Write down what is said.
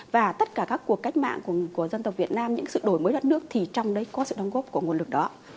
và tất cả các cuộc cách mạng của dân tộc việt nam những sự đổi mới đất nước thì trong đấy có sự đóng góp của nguồn lực đó